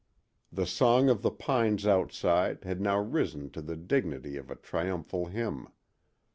The song of the pines outside had now risen to the dignity of a triumphal hymn.